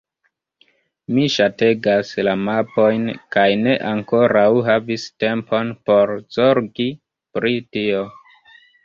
Mi ŝategas la mapojn kaj ne ankoraŭ havis tempon por zorgi pri tio.